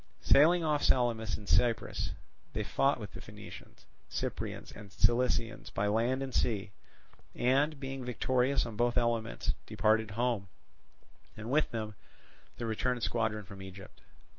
Sailing off Salamis in Cyprus, they fought with the Phoenicians, Cyprians, and Cilicians by land and sea, and, being victorious on both elements departed home, and with them the returned squadron from Egypt.